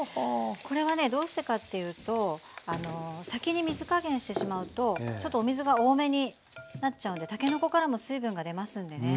これはねどうしてかっていうと先に水加減してしまうとちょっとお水が多めになっちゃうんでたけのこからも水分が出ますんでね